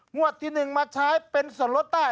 ที่๑มาใช้เป็นส่วนลดใต้